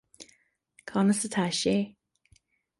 Conas atá sé